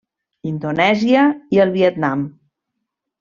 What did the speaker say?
Indonèsia i el Vietnam.